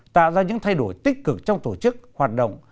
tạo ra những thay đổi tích cực trong tổ chức hoạt động